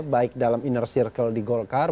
baik dalam inner circle di golkar